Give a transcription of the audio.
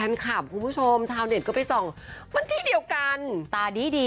ก็ให้เวลาเป็นเครื่องพิสูจน์ละกันค่ะ